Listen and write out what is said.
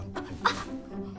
あっ。